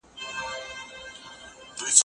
د ارزښتونو ساتل مهم دي.